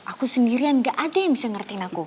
aku sendirian gak ada yang bisa ngertiin aku